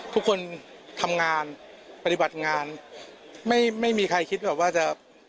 ทุกคนทำงานปฏิบัติงานไม่ไม่มีใครคิดแบบว่าจะ